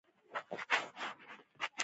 ښه نو چې سترګې ونه غړېږي.